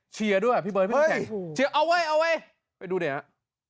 เชียร์ด้วยพี่เบิร์นพี่สุดแขกเอาเว้ยเอาเว้ยไปดูเดี๋ยวนะ